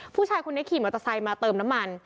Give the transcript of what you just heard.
ผู้ชายคนนี้ขี่มอเตอร์ไซค์มาเติมน้ำมัน